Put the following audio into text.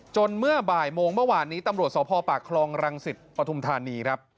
เมื่อบ่ายโมงเมื่อวานนี้ตำรวจสพปากคลองรังสิตปฐุมธานีครับ